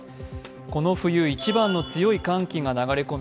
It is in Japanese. この冬一番の寒気が流れ込み